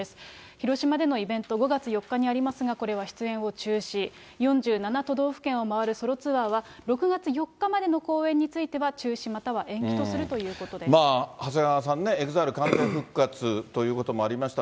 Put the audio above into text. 広島でのイベント、５月４日にありますが、これは出演を中止、４７都道府県を回るソロツアーは、６月４日までの公演については中止または延期とするということで長谷川さんね、ＥＸＩＬＥ完全復活ということもありました。